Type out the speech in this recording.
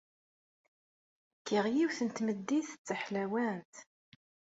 Kkiɣ yiwet n tmeddit d taḥlawant.